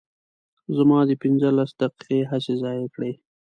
زما دې پنځلس دقیقې هسې ضایع کړې.